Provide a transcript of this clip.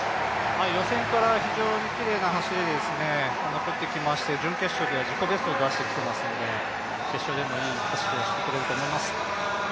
予選から非常にきれいな走りで残ってきまして、準決勝では自己ベストを出してきていますので決勝でもいい走りをしてくれると思います。